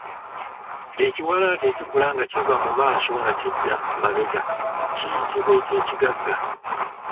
Ekiwalaata ekikula nga kiva mu maaso nga kidda mabega kyitiba eky’ekigagga.